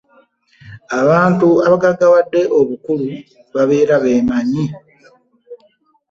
abantu abagaggawadde obukulu babeera beemanyi.